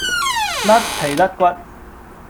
甩皮甩骨